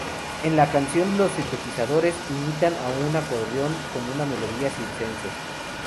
En la canción, los sintetizadores imitan a un acordeón con una melodía circense.